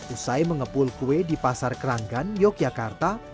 usai mengepul kue di pasar keranggan yogyakarta